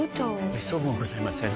めっそうもございません。